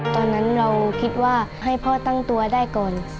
ตอนนั้นเราคิดว่าให้พ่อตั้งตัวได้ก่อน